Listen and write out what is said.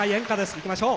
いきましょう。